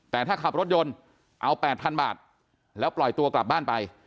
แต่ถ้าขับรถยนต์เอา๘๐๐๐บาทแล้วปล่อยตัวกลับบ้านไป